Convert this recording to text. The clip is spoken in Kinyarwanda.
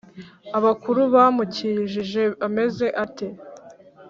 Abakuru bamukijije ameze ate?